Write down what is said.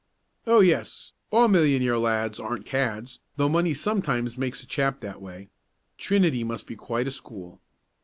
"Oh, yes, all millionaire lads aren't cads though money sometimes makes a chap that way. Trinity must be quite a school."